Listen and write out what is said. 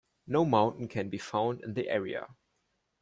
No mountain can be found in the area.